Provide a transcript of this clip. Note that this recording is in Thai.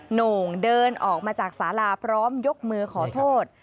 โหน่งเดินออกมาจากสาราพร้อมยกมือขอโทษ